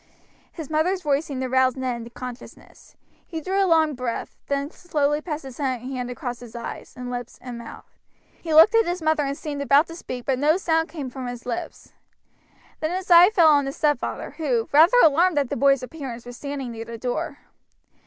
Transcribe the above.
His mother's voice seemed to rouse Ned into consciousness. He drew a long breath, then slowly passed his hand across his eyes, and lips, and mouth. He looked at his mother and seemed about to speak, but no sound came from his lips. Then his eye fell on his stepfather, who, rather alarmed at the boy's appearance, was standing near the door.